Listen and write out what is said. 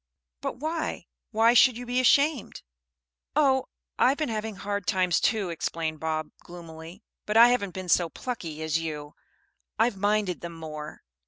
"But why, why should you be ashamed?" "Oh, I've been having hard times too," explained Bob, gloomily. "But I haven't been so plucky as you. I've minded them more."